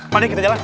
pak d kita jalan